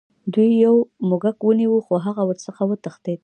دوی یو موږک ونیو خو هغه ورڅخه وتښتید.